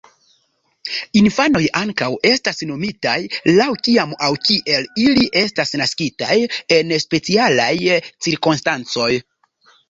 Infanoj ankaŭ estas nomitaj laŭ kiam aŭ kiel ili estas naskitaj en specialaj cirkonstancoj.